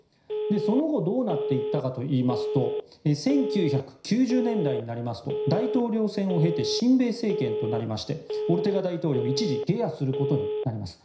その後、どうなっていったかといいますと１９９０年代になりますと大統領選を経て親米政権となりましてオルテガ大統領は一時下野することになります。